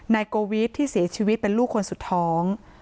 โกวิทที่เสียชีวิตเป็นลูกคนสุดท้อง